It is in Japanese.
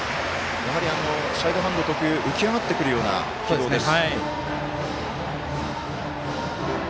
やはり、サイドハンド特有浮き上がってくるようなボールです。